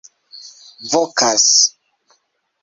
vokas